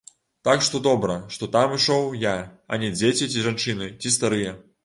Так што добра, што там ішоў я, а не дзеці ці жанчыны, ці старыя.